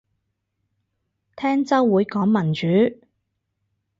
聽週會講民主